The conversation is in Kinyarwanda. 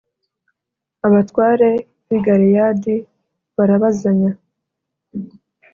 abatware b ‘i Galeyadi barabazanya .